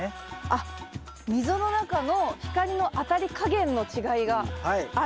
あっ溝の中の光の当たり加減の違いがあるんですね。